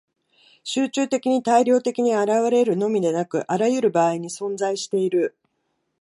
集中的に大量的に現れるのみでなく、あらゆる場合に存在している。